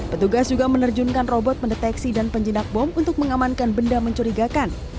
petugas juga menerjunkan robot mendeteksi dan penjinak bom untuk mengamankan benda mencurigakan